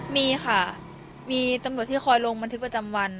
มีค่ะมีตำรวจที่คอยลงบันทึกประจำวัน